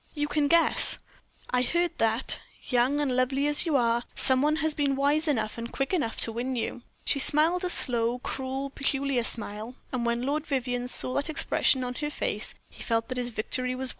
"You can guess. I heard that young, lovely as you are some one has been wise enough and quick enough to win you." She smiled a slow, cruel, peculiar smile, and when Lord Vivianne saw that expression on her face, he felt that his victory was won.